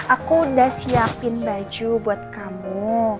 aku udah siapin baju buat kamu